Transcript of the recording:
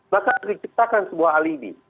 bahkan diciptakan sebuah alibi